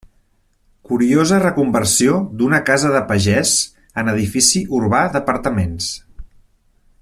Curiosa reconversió d'una casa de pagès en edifici urbà d'apartaments.